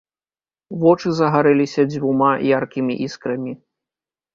Вочы загарэліся дзвюма яркімі іскрамі.